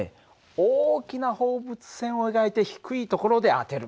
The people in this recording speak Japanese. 大きな放物線を描いて低いところで当てる。